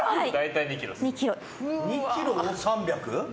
２ｋｇを３００？